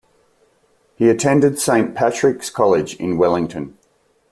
He attended Saint Patrick's College in Wellington.